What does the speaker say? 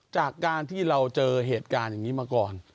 จากการที่เราเจอเหตุการณ์อย่างนี้มาก่อน